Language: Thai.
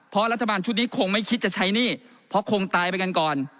เพราะรัฐบาลชุดนี้คงไม่คิดจะใช้หนี้เพราะคงตายไปกันก่อน